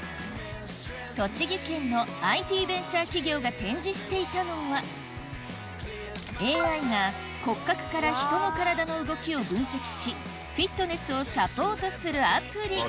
栃木県のＩＴベンチャー企業が展示していたのはＡＩが骨格から人の体の動きを分析しフィットネスをサポートするアプリ私。